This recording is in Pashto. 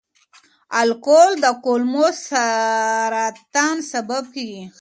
الکول د کولمو سرطان سبب کېږي.